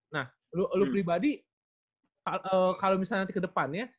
nah lu pribadi kalau misalnya nanti ke depan ya